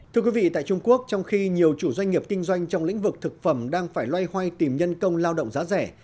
thưa quý vị tại trung quốc trong khi nhiều chủ doanh nghiệp kinh doanh trong lĩnh vực thực phẩm đang phải loay hoay tìm nhân công lao động giá rẻ